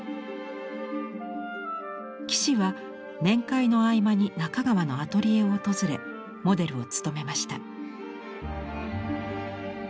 岸は面会の合間に中川のアトリエを訪れモデルを務めました。